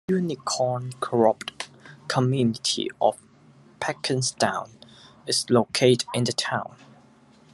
The unincorporated community of Perkinstown is located in the town.